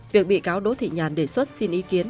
việc bị cáo đỗ thị nhàn đề xuất xin ý kiến